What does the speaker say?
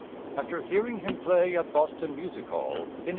(_After hearing him play at Boston Music Hall in 1888.